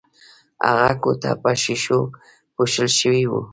هغه کوټه په ښیښو پوښل شوې وه